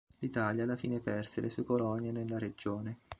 L'Italia alla fine perse le sue colonie nella regione.